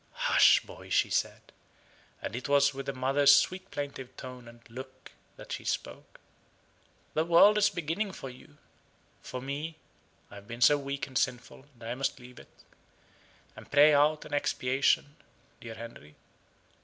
"Hush, boy!" she said, and it was with a mother's sweet plaintive tone and look that she spoke. "The world is beginning for you. For me, I have been so weak and sinful that I must leave it, and pray out an expiation, dear Henry.